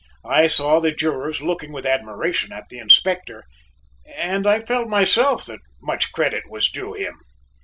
I saw the jurors looking with admiration at the Inspector, and I felt myself that much credit was due him.